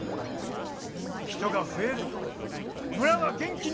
人が増えれば村は元気になるんです！